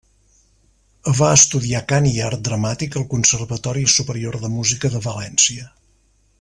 Va estudiar cant i art dramàtic al Conservatori Superior de Música de València.